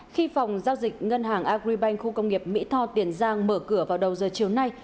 khi phòng giao dịch ngân hàng agribank khu công nghiệp mỹ tho tiền giang mở cửa vào đầu giờ chiều nay